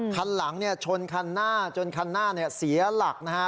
คันหลังชนคันหน้าจนคันหน้าเสียหลักนะฮะ